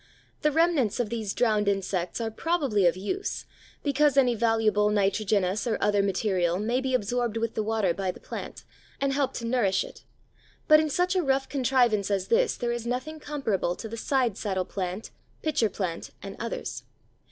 The remnants of these drowned insects are probably of use, because any valuable nitrogenous or other material may be absorbed with the water by the plant and help to nourish it, but in such a rough contrivance as this there is nothing comparable to the Side saddle plant, Pitcher plant, and others.